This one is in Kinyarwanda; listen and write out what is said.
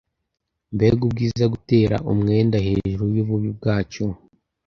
mbega ubwiza gutera umwenda hejuru yububi bwacu